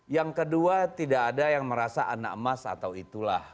yang kedua tidak ada yang merasa anak emas atau itulah